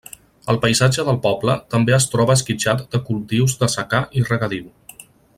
El paisatge del poble també es troba esquitxat de cultius de secà i regadiu.